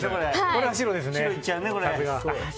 これは白ですね。